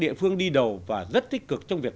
địa phương đi đầu và rất tích cực trong việc